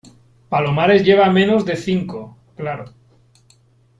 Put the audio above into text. palomares lleva menos de cinco . claro .